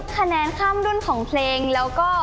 คะแนนข้ามรุ่นของเพลงแล้วก็